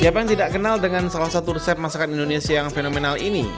siapa yang tidak kenal dengan salah satu resep masakan indonesia yang fenomenal ini